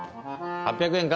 ８００円か？